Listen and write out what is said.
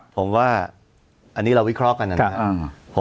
ผมว่าอันนี้เราวิเคราะห์กันนะครับ